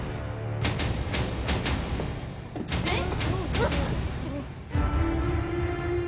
えっ？